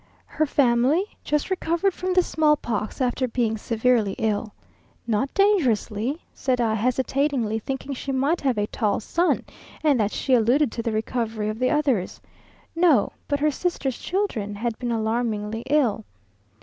Her family? Just recovered from the smallpox, after being severely ill. "Not dangerously?" said I, hesitatingly, thinking she might have a tall son, and that she alluded to the recovery of the others. "No;" but her sister's children had been alarmingly ill.